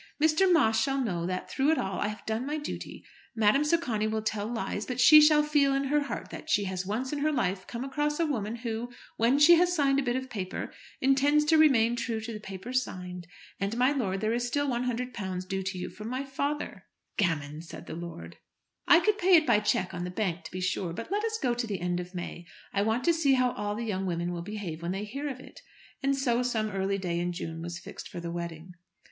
Mr. Moss shall know that through it all I have done my duty. Madame Socani will tell lies, but she shall feel in her heart that she has once in her life come across a woman who, when she has signed a bit of paper, intends to remain true to the paper signed. And, my lord, there is still £100 due to you from my father." "Gammon!" said the lord. "I could pay it by a cheque on the bank, to be sure, but let us go on to the end of May. I want to see how all the young women will behave when they hear of it." And so some early day in June was fixed for the wedding.